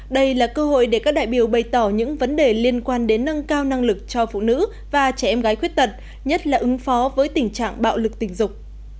đây là cơ hội để các đại biểu bày tỏ những vấn đề liên quan đến nâng cao năng lực cho phụ nữ và trẻ em gái khuyết tật nhất là ứng phó với tình trạng bạo lực tình dục